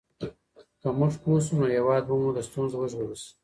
که موږ پوه شو نو هېواد به مو له ستونزو وژغورل شي.